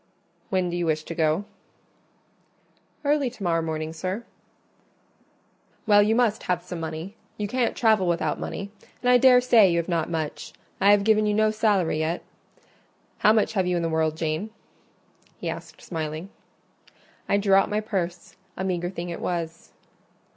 "When do you wish to go?" "Early to morrow morning, sir." "Well, you must have some money; you can't travel without money, and I daresay you have not much: I have given you no salary yet. How much have you in the world, Jane?" he asked, smiling. I drew out my purse; a meagre thing it was.